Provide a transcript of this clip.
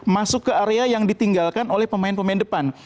masuk ke area yang ditinggalkan oleh pemain pemain depan